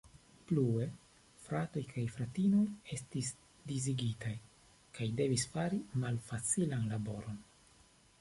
Plue, fratoj kaj fratinoj estis disigitaj kaj devis fari malfacilan laboron.